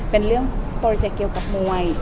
เป็นเรื่องโปรเจคเกี่ยวกับมวย